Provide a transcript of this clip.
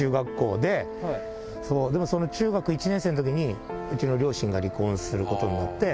でもその中学１年生のときに、うちの両親が離婚することになって。